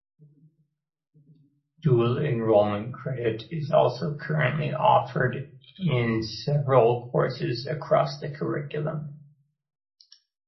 Dual-enrollment credit is also currently offered in several courses across the curriculum.